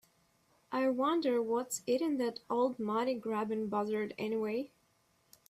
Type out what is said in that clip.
I wonder what's eating that old money grubbing buzzard anyway?